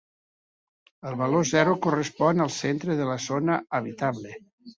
El valor zero correspon al centre de la zona habitable.